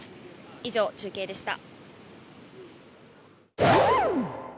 以上、中継でした。